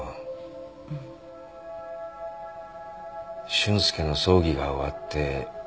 俊介の葬儀が終わって